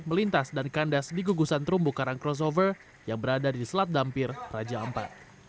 melintas dan kandas di gugusan terumbu karang crossover yang berada di selat dampir raja ampat